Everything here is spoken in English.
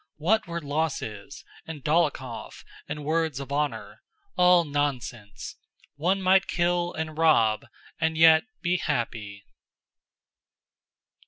"What were losses, and Dólokhov, and words of honor?... All nonsense! One might kill and rob and yet be happy...."